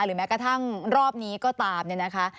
แม้กระทั่งรอบนี้ก็ตามเนี่ยนะคะ